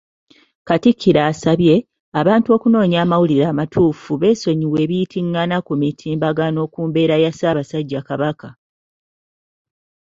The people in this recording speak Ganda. Katikkiro asabye, abantu okunoonya amawulire amatuufu beesonyiwe ebiyitingana ku mitimbagano ku mbeera ya Ssaabasajja Kabaka.